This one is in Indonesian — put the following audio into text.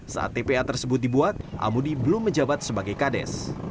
saat tpa tersebut dibuat amudi belum menjabat sebagai kades